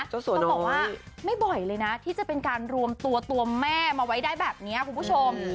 ต้องบอกว่าไม่บ่อยเลยนะที่จะเป็นการรวมตัวตัวแม่มาไว้ได้แบบนี้คุณผู้ชม